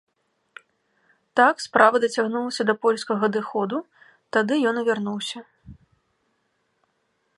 Так справа дацягнулася да польскага адыходу, тады ён і вярнуўся.